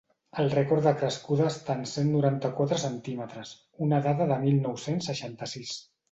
El rècord de crescuda està en cent noranta-quatre centímetres, una dada de mil nou-cents seixanta-sis.